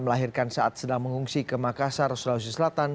melahirkan saat sedang mengungsi ke makassar sulawesi selatan